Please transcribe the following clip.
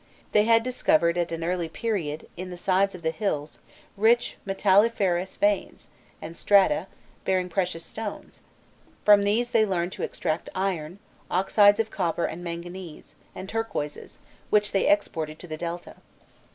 They had discovered at an early period in the sides of the hills rich metalliferous veins, and strata, bearing precious stones; from these they learned to extract iron, oxides of copper and manganese, and turquoises, which they exported to the Delta.